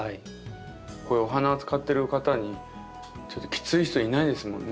こういうお花を扱ってる方にきつい人いないですもんね。